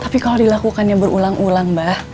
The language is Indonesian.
tapi kalau dilakukannya berulang ulang mbak